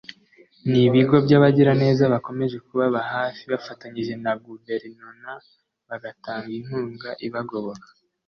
n’ibigo by’abagiraneza bakomeje kubaba hafi bafatanyije na Guverinona bagatanga inkunga ibagoboka